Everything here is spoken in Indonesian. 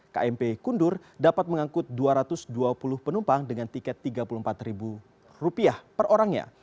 kmp kundur dapat mengangkut dua ratus dua puluh penumpang dengan tiket rp tiga puluh empat per orangnya